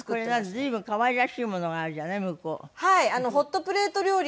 随分可愛らしいものがあるじゃない向こう。